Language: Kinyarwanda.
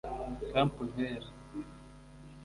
Cape Verde